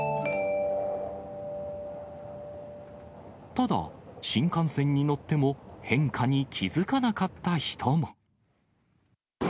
ただ、新幹線に乗っても変化に気付かなかった人も。